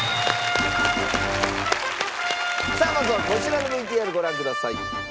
さあまずはこちらのＶＴＲご覧ください。